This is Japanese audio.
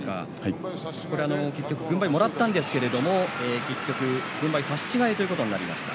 結局、軍配をもらったんですけれども結局、軍配差し違えということになりました。